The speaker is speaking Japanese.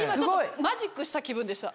マジックした気分でした。